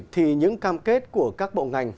thì những cam kết của các bộ ngành